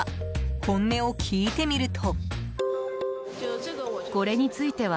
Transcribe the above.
本音を聞いてみると。